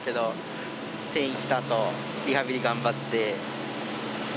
転院したあとリハビリ頑張って。